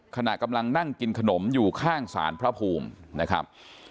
ขณะกำลังนั่งกินขนมอยู่ข้างศาลพระภูมินะครับ